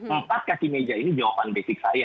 empat kaki meja ini jawaban basic saya